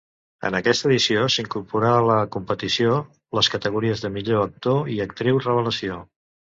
En aquesta edició s'incorporà a la competició les categories de millor actor i actriu revelació.